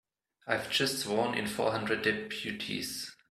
I've just sworn in four hundred deputies.